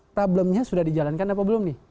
problemnya sudah dijalankan apa belum nih